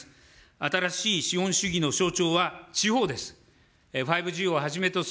新しい資本主義の象徴は地方です。